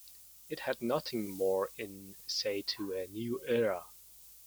It had nothing more in say to a new era.